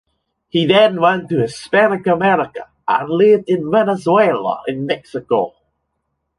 He then went to Hispanic America, and lived in Venezuela and Mexico.